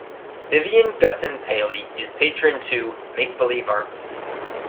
Vivian Gussin Paley is patron to MakeBelieve Arts.